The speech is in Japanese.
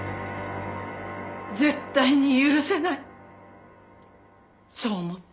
絶対に許せないそう思った。